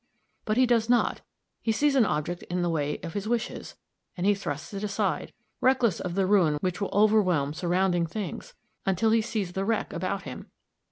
But he does not. He sees an object in the way of his wishes, and he thrusts it aside, reckless of the ruin which will overwhelm surrounding things, until he sees the wreck about him.